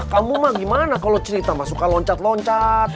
kamu mah gimana kalau cerita mah suka loncat loncat